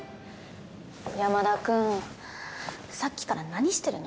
山田君さっきから何してるの？